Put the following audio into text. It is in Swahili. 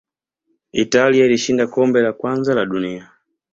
italia ilishinda kombe la kwanza la dunia